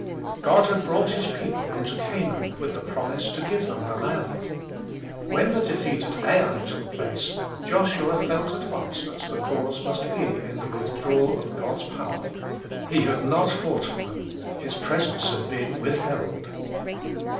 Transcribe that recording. God had brought His people into Canaan with the promise to give them the land. When the defeat at Ai took place Joshua felt at once that the cause must be in the withdrawal of God s power. He had not fought for them. His presence had been with held.